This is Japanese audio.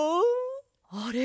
あれ？